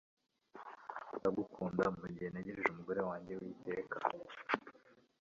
Ndagukunda mugihe ntegereje umugore wanjye witeka